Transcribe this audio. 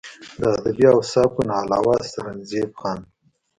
د ادبي اوصافو نه علاوه سرنزېب خان